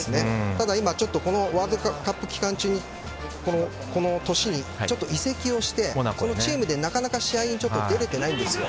ただワールドカップ期間中に移籍をしてチームでなかなか試合に出れてないんですよ。